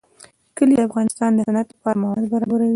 کلي د افغانستان د صنعت لپاره مواد برابروي.